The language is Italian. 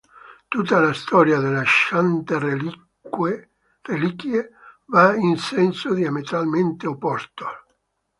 Tutta la storia delle sante reliquie va in senso diametralmente opposto.